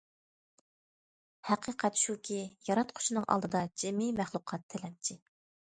ھەقىقەت شۇكى، ياراتقۇچىنىڭ ئالدىدا جىمى مەخلۇقات تىلەمچى.